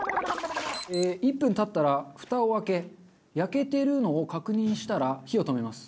１分経ったらフタを開け焼けてるのを確認したら火を止めます。